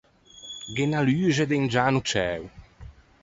Gh’é unna luxe de un giano ciæo.